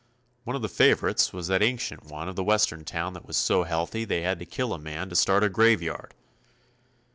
One of the favorites was that ancient one of the Western town that was so healthy they had to kill a man to start a graveyard.